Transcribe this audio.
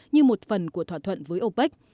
như một phần của thỏa thuận với opec